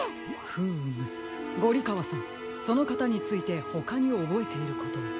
フームゴリかわさんそのかたについてほかにおぼえていることは？